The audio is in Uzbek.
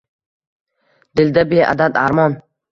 Dilda beadad armon.